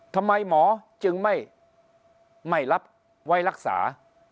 ทำไมหมอจึงไม่รับไว้รักษา